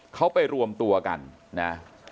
เขาไปรวมตัวกันนะ